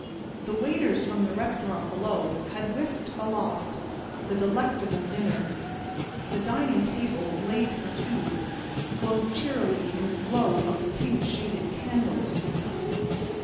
The waiters from the restaurant below had whisked aloft the delectable dinner. The dining table, laid for two, glowed cheerily in the glow of the pink shaded candles.